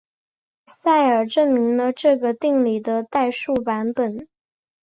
塞尔证明了这个定理的代数版本。